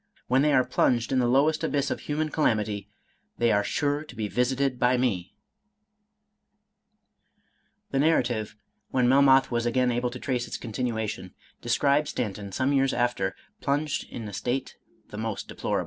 When they are plunged in the lowest abyss •of human calamity, they are sure to be visited by meJ' The narrative, when Melmoth was again able to trace its continuation, described Stanton, some years after, plunged in a state the most deplorable.